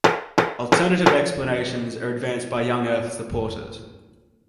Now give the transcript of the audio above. Alternative explanations are advanced by young Earth supporters.